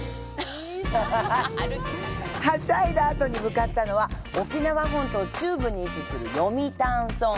はしゃいだ後に向かったのは沖縄本島中部に位置する読谷村。